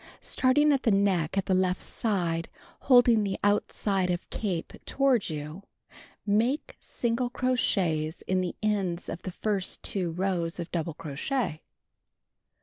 Starting at the neck at the left side, holding the outside of capo toward you, make single crochets in the ends of the first 2 rows of doul)le crochet.